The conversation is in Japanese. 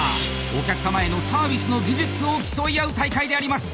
お客様へのサービスの技術を競い合う大会であります。